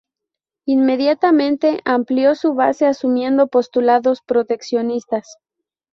Inmediatamente amplió su base, asumiendo postulados proteccionistas.